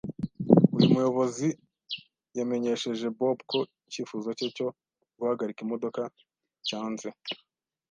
Uyu muyobozi yamenyesheje Bob ko icyifuzo cye cyo guhagarika imodoka cyanze.